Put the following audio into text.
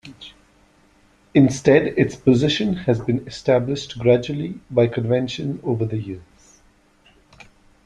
Instead its position has been established gradually by convention over the years.